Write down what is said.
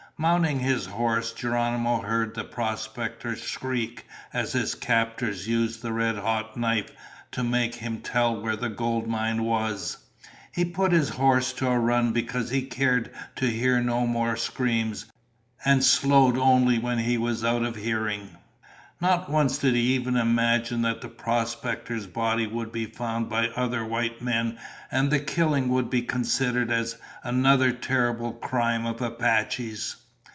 Mounting his horse, Geronimo heard the prospector shriek as his captors used the red hot knife to make him tell where the gold mine was. He put his horse to a run because he cared to hear no more screams, and slowed only when he was out of hearing. Not once did he even imagine that the prospector's body would be found by other white men and the killing would be considered as another terrible crime of Apaches.